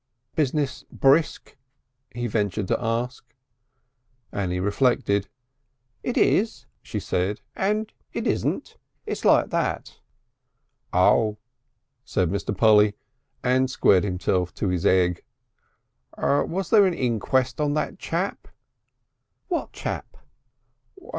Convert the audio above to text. "Business brisk?" he ventured to ask. Annie reflected. "It is," she said, "and it isn't. It's like that." "Ah!" said Mr. Polly, and squared himself to his egg. "Was there an inquest on that chap?" "What chap?"